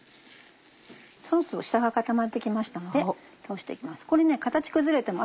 そろそろ下が固まって来ましたので倒して行きます